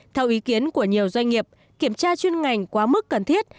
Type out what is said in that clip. theo ý kiến của nhiều doanh nghiệp kiểm tra chuyên ngành quá mức cần thiết